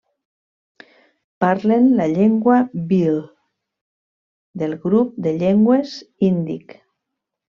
Parlen la llengua bhil, del grup de llengües índic.